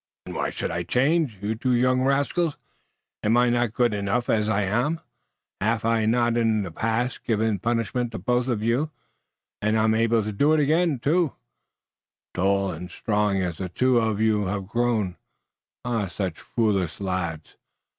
"And why should I change, you two young rascals? Am I not goot enough as I am? Haf I not in the past given the punishment to both uf you und am I not able to do it again, tall and strong as the two uf you haf grown? Ah, such foolish lads!